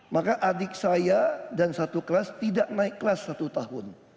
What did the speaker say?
maka adik saya dan satu kelas tidak naik kelas satu tahun